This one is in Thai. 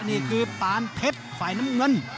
นี่คือปานเพชรฝ่ายน้ำเงิน